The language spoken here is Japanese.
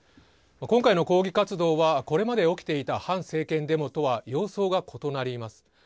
今回の抗議活動はこれまで起きていた反政権デモとは様相が異なります。